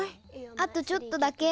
あとちょっとだけ。